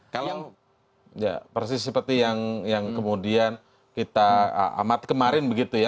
kalau persis seperti yang kemudian kita amat kemarin begitu ya